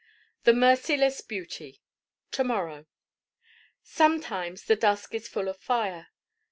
The merciless beauty To morrow Sometimes the dusk is full of fire.